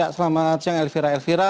selamat siang elvira